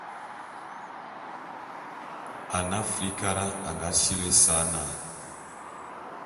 Ane Afrikara a nga sili ésa na.